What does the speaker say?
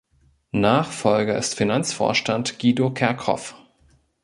Nachfolger ist Finanzvorstand Guido Kerkhoff.